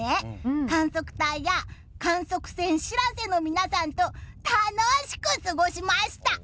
観測隊が観測船「しらせ」の皆さんと楽しく過ごしました。